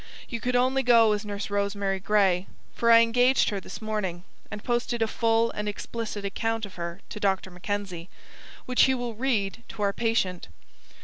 You could only go as Nurse Rosemary Gray; for I engaged her this morning, and posted a full and explicit account of her to Dr. Mackenzie, which he will read, to our patient.